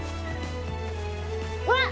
うわっ！